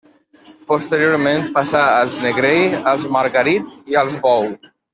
Posteriorment passà als Negrell, als Margarit i als Bou.